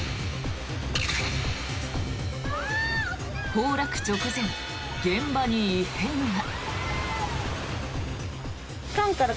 崩落直前、現場に異変が。